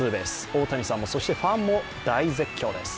大谷さん、そしてファンも大絶叫です。